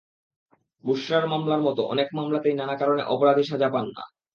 বুশরার মামলার মতো অনেক মামলাতেই নানা কারণে অপরাধী সাজা পান না।